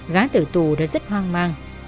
gá tử tù đã rất hoang mang